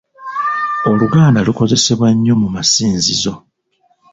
Oluganda lukozesebwa nnyo mu masinzizo.